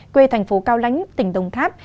quê thành phố cao lánh tỉnh đồng tháp